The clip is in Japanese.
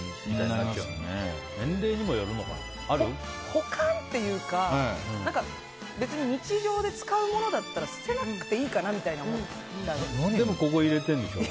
保管っていうか別に日常で使うものだったら捨てなくていいかなみたいに思っちゃうんですよ。